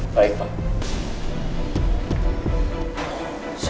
jangan lupa untuk berikan komentar di bawah